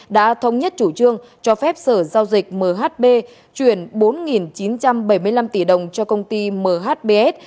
đã thống nhất chủ trương cho phép sở giao dịch mhb chuyển bốn chín trăm bảy mươi năm tỷ đồng cho công ty mhbs